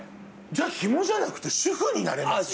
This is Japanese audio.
じゃあヒモじゃなくて主夫になれば。